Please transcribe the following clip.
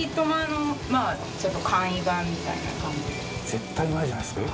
「絶対うまいじゃないですか」